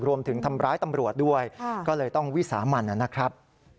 ทำร้ายตำรวจด้วยก็เลยต้องวิสามันนะครับ